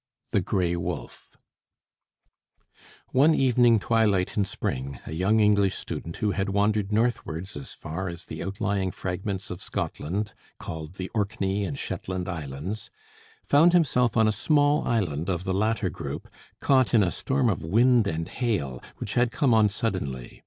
THE GRAY WOLF One evening twilight in spring, a young English student, who had wandered northwards as far as the outlying fragments of Scotland called the Orkney and Shetland Islands, found himself on a small island of the latter group, caught in a storm of wind and hail, which had come on suddenly.